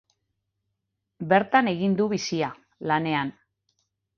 Bertan egin du bizia, lanean.